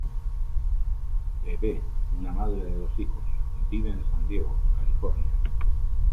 Beebe, una madre de dos hijos, vive en San Diego, California.